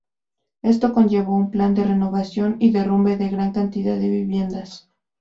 Esto conllevó un plan de renovación y derrumbe de gran cantidad de viviendas.